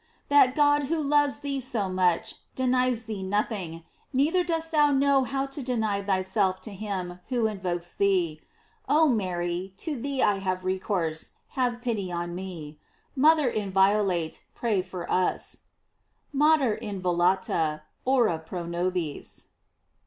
That God who loves thee so much, denies thee nothing, neither dost thou know how to deny thyself to him who invokes thee. Oh Mary, to thee I have recourse; have pity on me. Mother inviolate, pray for us: "Mater inviolata, ora pro nobis."